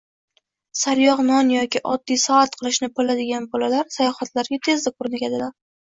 Saryog‘-non yoki oddiy salat qilishni biladigan bolalar sayohatlarga tezda ko‘nikadilar